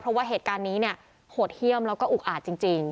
เพราะว่าเหตุการณ์นี้เนี่ยโหดเยี่ยมแล้วก็อุกอาจจริง